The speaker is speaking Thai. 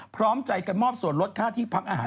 พร้อมใจกันมอบส่วนลดค่าที่พักอาหาร